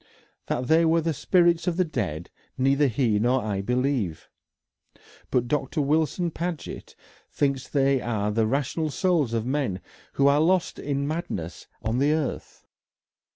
That they were the spirits of the dead neither he nor I believe. But Doctor Wilson Paget thinks they are the rational souls of men who are lost in madness on the earth.